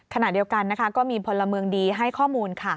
ขณะเดียวกันก็มีพลเมืองดีให้ข้อมูล